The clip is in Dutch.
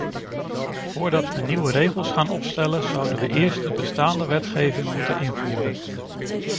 Voordat we nieuwe regels gaan opstellen, zouden we eerst de bestaande wetgeving moeten invoeren.